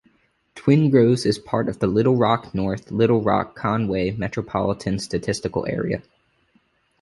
Twin Groves is part of the Little Rock-North Little Rock-Conway Metropolitan Statistical Area.